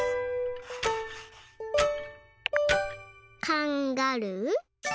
カンガルー。